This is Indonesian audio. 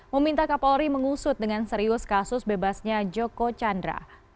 meminta kapolri mengusut dengan serius kasus bebasnya joko chandra